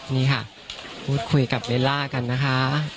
นี่ค่ะคุยกับเวลากันนะคะ